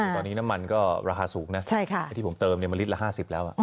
ตอนนี้น้ำมันก็ราคาสูงนะไอ้ที่ผมเติมมันลิตรละ๕๐แล้ว